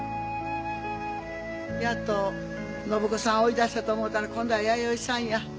やっと信子さんを追い出したと思うたら今度は弥生さんや。